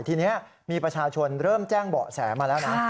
ทีนี้มีประชาชนเริ่มแจ้งเบาะแสมาแล้วนะ